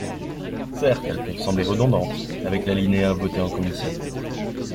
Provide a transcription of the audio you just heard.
Certes, elles peuvent sembler redondantes avec l’alinéa voté en commission.